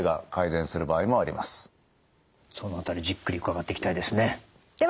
その辺りじっくり伺っていきたいですね。